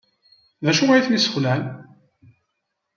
D acu ay ten-yesxelɛen?